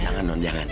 jangan non jangan